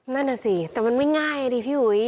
นั่นน่ะสิแต่มันไม่ง่ายอ่ะดิพี่หุย